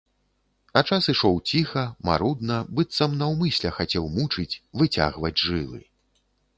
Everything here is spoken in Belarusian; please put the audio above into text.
А час ішоў ціха, марудна, быццам наўмысля хацеў мучыць, выцягваць жылы.